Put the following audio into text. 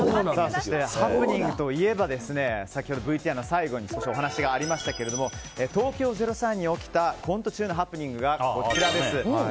そしてハプニングといえば先ほどＶＴＲの最後に少しお話がありましたが東京０３に起きたコント中のハプニングがこちらです。